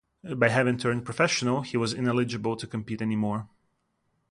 By having turned ‘professional’ he was ineligible to compete any more.